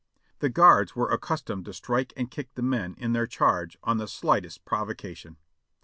The guards were accustomed to strike and kick the men in their charge on the slightest provocation.